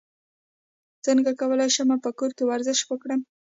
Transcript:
څنګه کولی شم په کور کې ورزش وکړم